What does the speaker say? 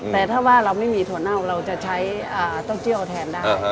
แต่ถ้าว่าเราไม่มีถั่วเน่าเราจะใช้เต้าเจี่ยวแทนได้